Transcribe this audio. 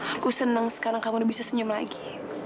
aku senang sekarang kamu bisa senyum lagi